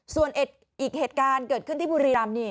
ส่วนอีกเหตุการณ์เกิดขึ้นที่บุรีรำนี่